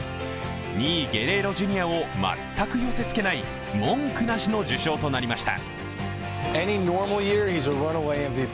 ２位ゲレーロ・ジュニアを全く寄せつけない文句なしの受賞となりました。